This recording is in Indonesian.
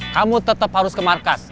kamu tetap harus ke markas